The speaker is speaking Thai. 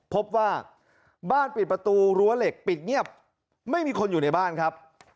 พบว่าบ้านปิดประตูรั้วเหล็กปิดเงียบไม่มีคนอยู่ในบ้านครับ